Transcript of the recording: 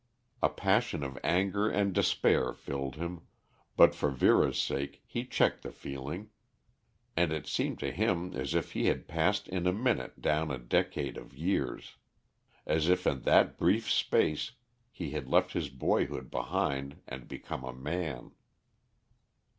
A passion of anger and despair filled him, but for Vera's sake he checked the feeling. And it seemed to him as if he had passed in a minute down a decade of years; as if in that brief space he had left his boyhood behind and become a man.